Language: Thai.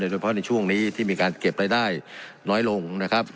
โดยเฉพาะในช่วงนี้ที่มีการเก็บรายได้น้อยลงนะครับ